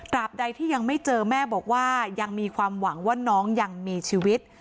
บใดที่ยังไม่เจอแม่บอกว่ายังมีความหวังว่าน้องยังมีชีวิต